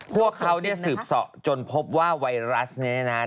พวกเขาสืบสอบจนพบว่าไวรัสนี้นะ